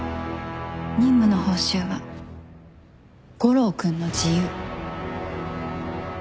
任務の報酬は悟郎君の自由。